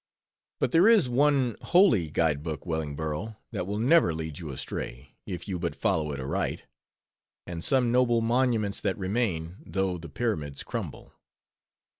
But there is one Holy Guide Book, Wellingborough, that will never lead you astray, if you but follow it aright; and some noble monuments that remain, though the pyramids crumble.